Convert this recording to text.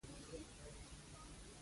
جنګ و جګړه او وژنې.